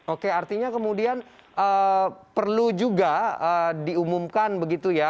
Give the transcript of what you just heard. oke artinya kemudian perlu juga diumumkan begitu ya